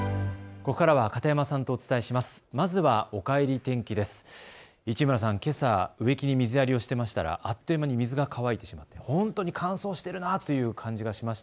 ここからは片山さんとお伝えします。